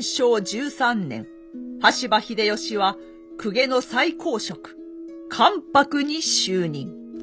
１３年羽柴秀吉は公家の最高職関白に就任。